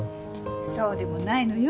そうでもないのよ。